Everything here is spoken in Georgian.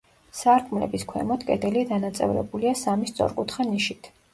სარკმლების ქვემოთ კედელი დანაწევრებულია სამი სწორკუთხა ნიშით.